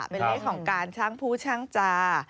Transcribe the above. เป็นเลขของการช่างผู้ช่างจา